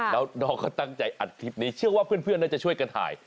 แล้วน้องก็ตั้งใจอัดคลิปนี้เชื่อว่าเพื่อนน่าจะช่วยกันถ่าย